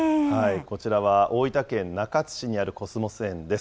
こちらは大分県中津市にあるコスモス園です。